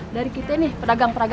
dari kita nih peragam peragam